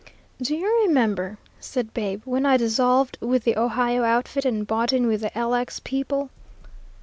"Do you remember," said Babe, "when I dissolved with the 'Ohio' outfit and bought in with the 'LX' people?"